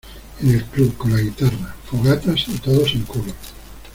en el club con la guitarra, fogatas y todos en culos